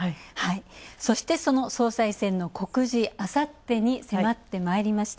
その総裁選の告示、あさってに迫ってまいりました。